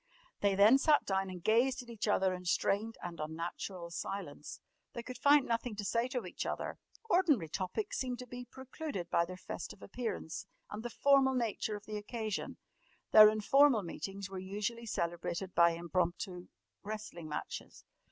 They then sat down and gazed at each other in strained and unnatural silence. They could find nothing to say to each other. Ordinary topics seemed to be precluded by their festive appearance and the formal nature of the occasion. Their informal meetings were usually celebrated by impromptu wrestling matches.